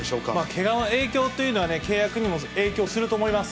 けがの影響というのはね、契約にも影響すると思います。